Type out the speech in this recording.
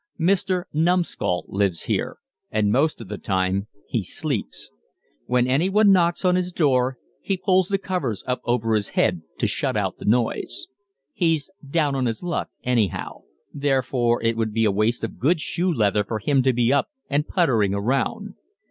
Mister Numbskull lives here and most of the time he sleeps. When anyone knocks on his door he pulls the covers up over his head to shut out the noise. He's down on his luck anyhow, therefore it would be a waste of good shoe leather for him to be up and puttering around.